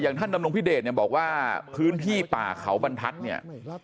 ท่านดำรงพิเดชเนี่ยบอกว่าพื้นที่ป่าเขาบรรทัศน์เนี่ย